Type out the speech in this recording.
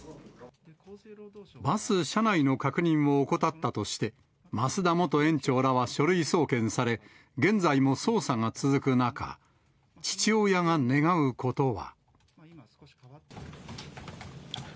バス車内の確認を怠ったとして、増田元園長らは書類送検され、現在も捜査が続く中、父親が願うことは。